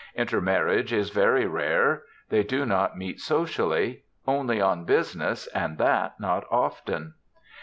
Inter marriage is very rare. They do not meet socially; only on business, and that not often.